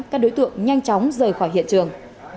các đối tượng nhanh chóng rời khỏi hiện trường